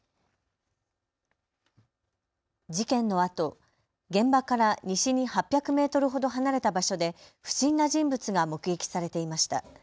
事件のあと現場から西に８００メートルほど離れた場所で不審な人物が目撃されていました。